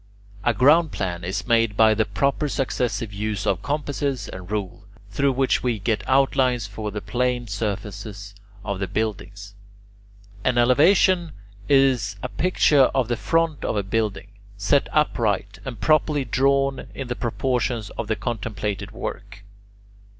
A groundplan is made by the proper successive use of compasses and rule, through which we get outlines for the plane surfaces of buildings. An elevation is a picture of the front of a building, set upright and properly drawn in the proportions of the contemplated work.